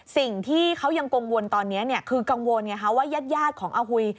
สิ่งที่เขายังกังวลตอนนี้คือกังวลไงคะว่าญาติของอาหุย